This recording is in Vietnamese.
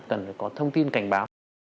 cần phải có thông tin cảnh báo